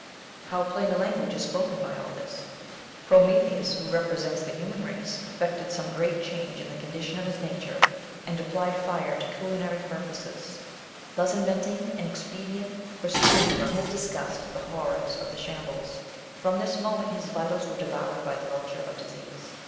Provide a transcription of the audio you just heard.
How plain a language is spoken by all this. Prometheus (who represents the human race) effected some great change in the condition of his nature, and applied fire to culinary purposes; thus inventing an expedient for screening from Digitized by Google A Vindication of Natural Diet, 11 his disgust the horrors of the shambles. From this moment his vitals were devoured by the vulture of disease.